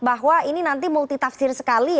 bahwa ini nanti multitafsir sekali